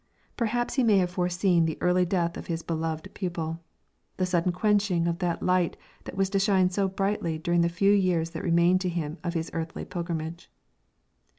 Perhaps he may have foreseen the early death of his beloved pupil, the sudden quenching of that light that was to shine so brightly during the few years that remained to him of his earthly pilgrimage.